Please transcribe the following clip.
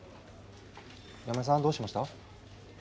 山根さんどうしました？